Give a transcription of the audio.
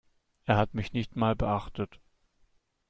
Er hat mich nicht mal beachtet.